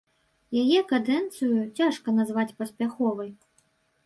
Яе кадэнцыю цяжка назваць паспяховай.